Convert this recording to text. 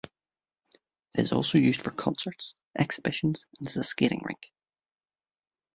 It is also used for concerts, exhibitions and as a skating rink.